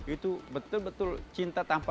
itu betul betul cinta tanpa